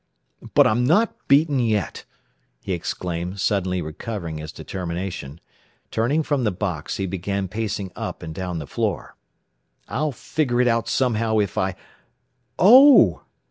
"But I'm not beaten yet," he exclaimed, suddenly recovering his determination. Turning from the box, he began pacing up and down the floor. "I'll figure it out somehow if I oh!"